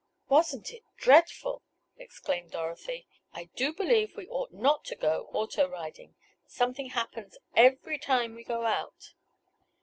"Wasn't it dreadful!" exclaimed Dorothy. "I do believe we ought not to go auto riding—something happens every time we go out."